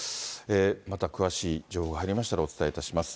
また詳しい情報が入りましたら、お伝えいたします。